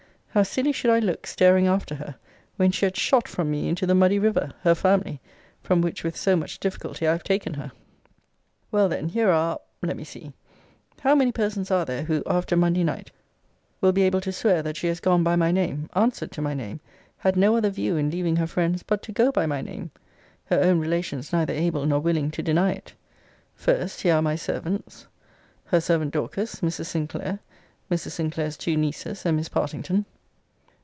How silly should I look, staring after her, when she had shot from me into the muddy river, her family, from which with so much difficulty I have taken her! Well then, here are let me see How many persons are there who, after Monday night, will be able to swear that she has gone by my name, answered to my name, had no other view in leaving her friends but to go by my name? her own relations neither able nor willing to deny it. First, here are my servants, her servant, Dorcas, Mrs. Sinclair, Mrs. Sinclair's two nieces, and Miss Partington.